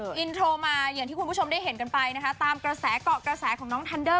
อินโทรมาอย่างที่คุณผู้ชมได้เห็นกันไปนะคะตามกระแสเกาะกระแสของน้องทันเดอร์